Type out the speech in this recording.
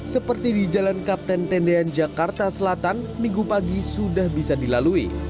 seperti di jalan kapten tendean jakarta selatan minggu pagi sudah bisa dilalui